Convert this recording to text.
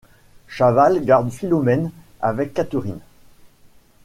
Chaval, garde Philomène avec Catherine.